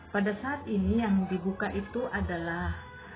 pada saat ini yang dibuka itu adalah